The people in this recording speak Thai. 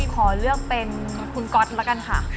ขอเลือกเป็นคุณก๊อตแล้วกันค่ะ